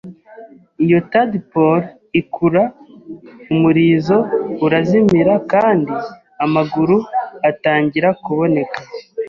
Iyo tadpole ikura, umurizo urazimira kandi amaguru atangira kuboneka.